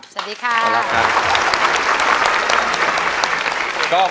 สวัสดีครับ